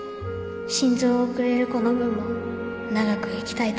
心臓をくれる子の分も長く生きたいと思う